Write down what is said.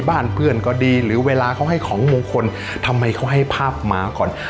บ้านเพื่อนก็ดีหรือเวลาเขาให้ของมงคลทำไมเขาให้ภาพหมาก่อน